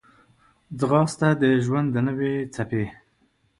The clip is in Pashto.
ځغاسته د ژوند د نوې څپې